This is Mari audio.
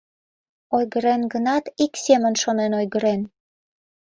Ойгырен гынат, ик семын шонен ойгырен.